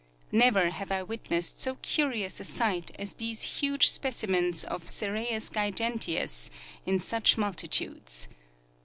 Never have I witnessed so curious a sight as these huge specimens of Cereus giganteus in such multitudes.